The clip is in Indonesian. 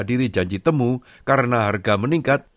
diri janji temu karena harga meningkat